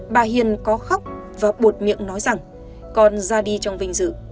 bà hiền có khóc và buột miệng nói rằng còn ra đi trong vinh dự